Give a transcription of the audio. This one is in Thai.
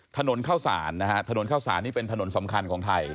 ถนนเข้าสารนะฮะถนนข้าวสารนี่เป็นถนนสำคัญของไทย